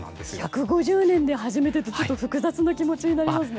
１５０年で初めてってちょっと複雑な気持ちになりますね。